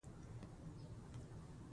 اسلام د سولې دين دی